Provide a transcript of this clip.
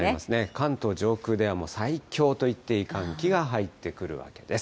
関東上空ではもう最強といっていい寒気が入ってくるわけです。